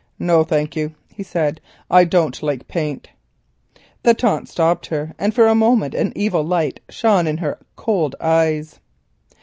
"No, thank you," he said; "I don't like paint." The taunt stopped her, and for a moment an evil light shone in her cold eyes.